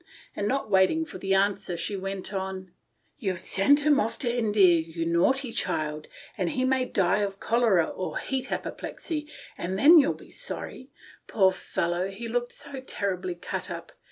And, not waiting for an answer, she went on, " You've sent him off to India, you naughty child, and he may die of the cholera or heat apoplexy, and then you'll be sorry. Poor fellow, he looked so terribly cut up.